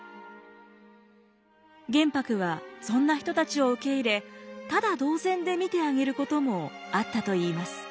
玄白はそんな人たちを受け入れタダ同然で診てあげることもあったといいます。